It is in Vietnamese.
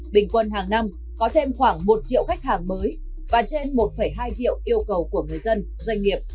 bình quân hàng năm có thêm khoảng một triệu khách hàng mới và trên một hai triệu yêu cầu của người dân doanh nghiệp